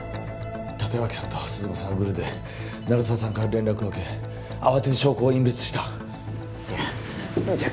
立脇さんと鈴間さんはグルで鳴沢さんから連絡を受け慌てて証拠を隠滅したいやじゃ